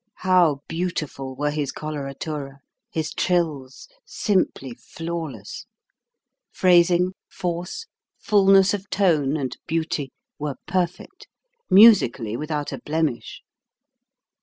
How beautiful were his coloratura, his trills, simply flawless ! Phrasing, force, fulness of tone, and beauty were perfect, musically without a blemish.